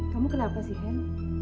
kamu kenapa sih hen